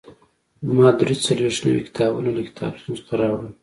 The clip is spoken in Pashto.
ما درې څلوېښت نوي کتابونه له کتابتون څخه راوړل.